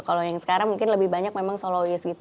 kalau yang sekarang mungkin lebih banyak memang soloist gitu